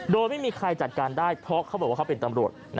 โดยไม่มีใครจัดการได้เพราะเขาบอกว่าเขาเป็นตำรวจ